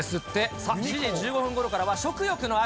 さあ７時１５分ごろからは、食欲の秋。